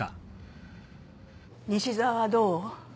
西沢はどう？